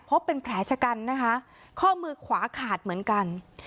เป็นแผลชะกันนะคะข้อมือขวาขาดเหมือนกัน